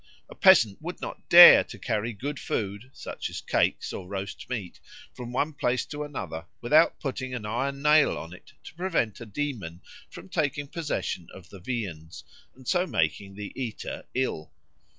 A peasant would not dare to carry good food, such as cakes or roast meat, from one place to another without putting an iron nail on it to prevent a demon from taking possession of the viands and so making the eater ill.